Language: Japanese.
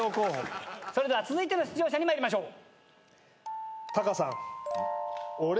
それでは続いての出場者に参りましょう。